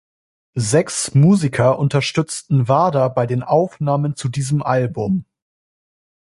Sechs Musiker unterstützten Wader bei den Aufnahmen zu diesem Album.